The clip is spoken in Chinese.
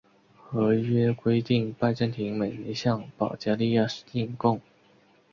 合约规定拜占庭每年向保加利亚进贡。